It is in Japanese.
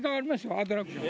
アトラクション。